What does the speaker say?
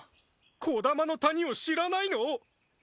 木霊の谷を知らないの？